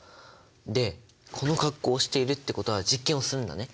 でこの格好をしているってことは実験をするんだね？